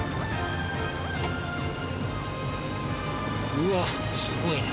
うわっすごいな。